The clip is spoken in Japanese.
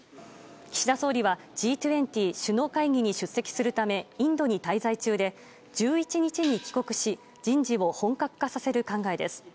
岸田総理はＧ２０首脳会議に出席するためインドに滞在中で１１日に帰国し人事を本格化させる考えです。